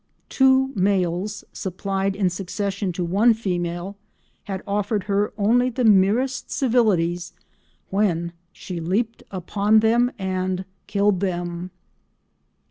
Two males supplied in succession to one female "had offered her only the merest civilities when she leaped upon them and killed them."